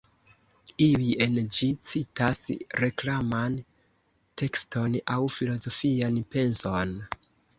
Iuj en ĝi citas reklaman tekston aŭ filozofian penson.